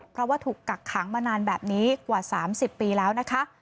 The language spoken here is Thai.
เพราะว่าถูกกักขังมานานแบบนี้กว่า๓๐ปีแล้วนะคะ